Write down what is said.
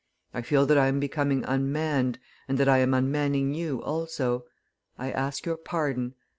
I feel that I am becoming unmanned, and that I am unmanning you also; I ask your pardon.